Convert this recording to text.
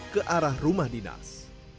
ke arah rumah dinas